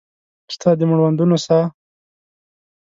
ستا د مړوندونو ساه